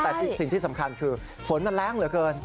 แต่สิ่งที่สำคัญคือฝนมันแรงเหลือเกิน